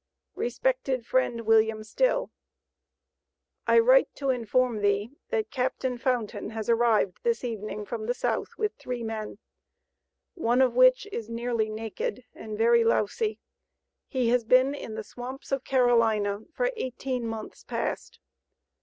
RESPECTED FRIEND, WILLIAM STILL: I write to inform thee, that Captain Fountain has arrived this evening from the South with three men, one of which is nearly naked, and very lousy. He has been in the swamps of Carolina for eighteen months past.